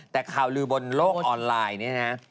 แต่ข่าวลือบนโลกออนไลน์